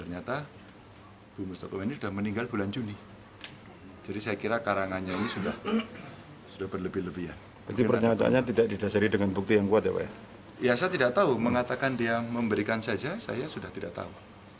ya saya tidak tahu mengatakan dia memberikan saja saya sudah tidak tahu